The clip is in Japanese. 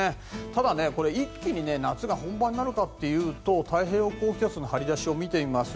ただ、一気に夏が本番になるかというと太平洋高気圧の張り出しを見てみます。